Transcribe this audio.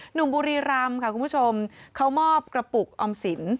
หนุ่มบุรีรำค่ะคุณผู้ชมเขามอบกระปุกออมสิน